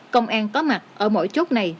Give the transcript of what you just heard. công an có mặt ở mỗi chốt này